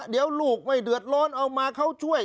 เดี๋ยวลูกไม่เดือดร้อนเอามาเขาช่วย